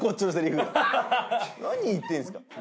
何言ってんですか。